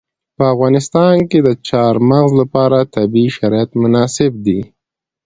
په افغانستان کې د چار مغز لپاره طبیعي شرایط مناسب دي.